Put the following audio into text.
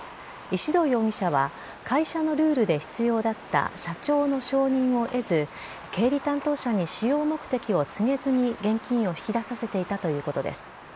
石動容疑者は、会社のルールで必要だった社長の承認を得ず、経理担当者に使用目的を告げずに現金を引き出させていたということです。